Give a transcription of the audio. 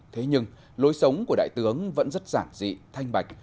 thế nhưng lối sống của đại tướng vẫn rất giản dị thanh bạch